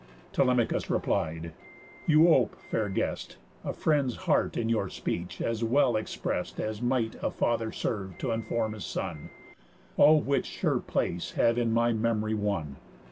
Telemachus replied: "You ope, fair guest, A friend's heart in your speech, as well exprest As might a father serve t' inform his son; All which sure place have in my memory won.